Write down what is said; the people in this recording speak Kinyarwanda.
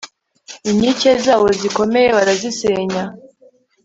inkike zawo zikomeye barazisenya